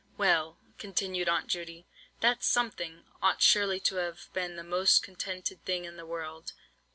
"Well," continued Aunt Judy, "that 'something' ought surely to have been the most contented thing in the world.